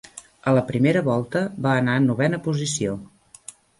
A la primera volta, va anar en novena posició.